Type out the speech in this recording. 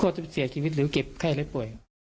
จะเสียชีวิตหรือเก็บไข้และป่วย